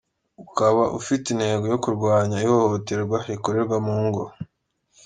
Ukaba ufite intego yo kurwanya ihohoterwa rikorerwa mu ngo.